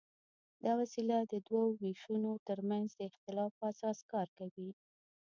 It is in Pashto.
دا وسیله د دوو وېشونو تر منځ د اختلاف په اساس کار کوي.